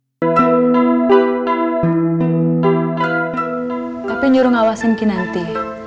pak wali kota menyuruh ngawasin kinanti